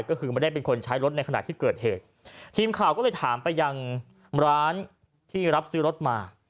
ก็คือไม่ได้เป็นคนใช้รถในขณะที่เกิดเหตุทีมข่าวก็เลยถามไปยังร้านที่รับซื้อรถมา